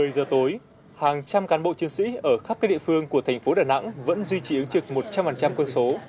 một mươi giờ tối hàng trăm cán bộ chiến sĩ ở khắp các địa phương của thành phố đà nẵng vẫn duy trì ứng trực một trăm linh quân số